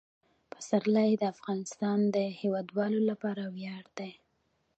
پسرلی د افغانستان د هیوادوالو لپاره ویاړ دی.